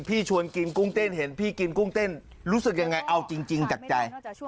ชวนกินกุ้งเต้นเห็นพี่กินกุ้งเต้นรู้สึกยังไงเอาจริงจากใจ